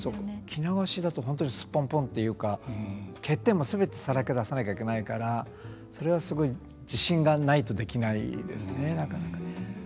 着流しだと本当にすっぽんぽんっていうか欠点もすべてさらけ出さなきゃいけないからそれはすごい自信がないとできないですねなかなかね。